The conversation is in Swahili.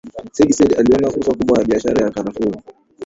Sayyid Said aliona fursa kubwa ya biashara ya karafuu